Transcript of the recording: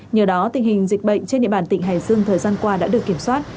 nhờ đó tình hình dịch bệnh trên địa bàn tỉnh hải dương thời gian qua đã được kiểm soát